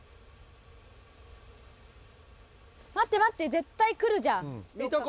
待って、待って、絶対来るじゃん。